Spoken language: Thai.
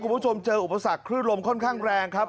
คุณผู้ชมเจออุปสรรคคลื่นลมค่อนข้างแรงครับ